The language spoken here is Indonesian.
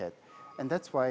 dan itulah sebabnya